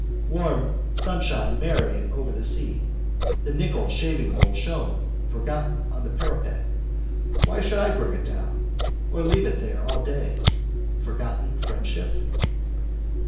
Warm sunshine merrying over the sea. The nickel shavingbowl shone, forgotten, on the parapet. Why should I bring it down? Or leave it there all day, forgotten friendship?